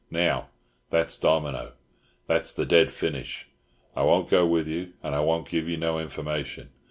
Now, that's Domino—that's the dead finish. I won't go with you, and I won't give you no information.